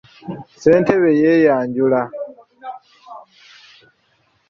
Ssentebe yeyanjula.